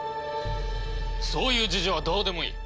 そういう事情はどうでもいい！